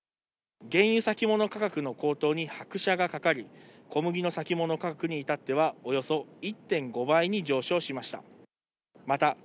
原油先物価格の高騰に拍車がかかり、小麦の先物価格にいたっては、およそ１．５倍に上昇しました。